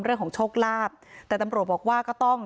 เรื่องของโชคลาภแต่ตำรวจบอกว่าก็ต้อง